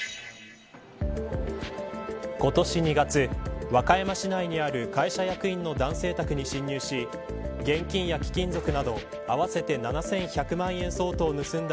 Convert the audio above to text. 今年２月和歌山市内にある会社役員の男性宅に侵入し現金や貴金属など合わせて７１００万円相当を盗んだ